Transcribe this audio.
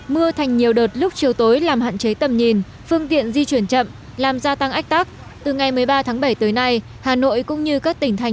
mưa thành nhiều đợt lúc chiều tối làm hạn chế tầm nhìn phương tiện di chuyển chậm làm gia tăng ách đắc